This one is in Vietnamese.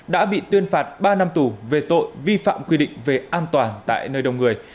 đã bị tuyên phạt ba năm tù về tội vi phạm quy định về an toàn tại nơi đông người